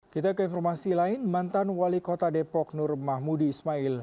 kita ke informasi lain mantan wali kota depok nur mahmudi ismail